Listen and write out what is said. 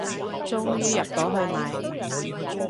終於入到去買